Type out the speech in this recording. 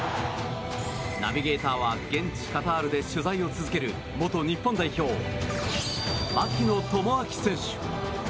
ナビゲーターは現地カタールで取材を続ける元日本代表、槙野智章選手。